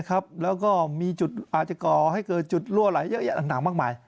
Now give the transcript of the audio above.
อาจจะก่อให้เกิดจุดรั่วไหหลอยอันหนังมากมาย